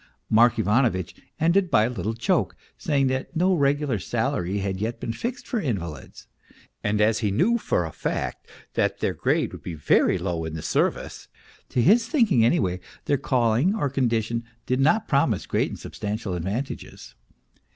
Mark Ivanovitch , ended by a little joke, saying that no regular salary had yet been fixed for invalids, and as he knew for a fact that their grade would be very low in the service, to his thinking anyway, their calling or condition did not promise great and substantial advantages.